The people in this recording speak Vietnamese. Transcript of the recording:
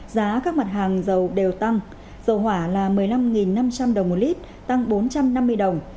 giá các mặt hàng dầu đều tăng dầu hỏa là một mươi năm năm trăm linh đồng một lít tăng bốn trăm năm mươi đồng